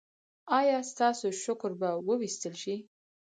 ایا ستاسو شکر به وویستل شي؟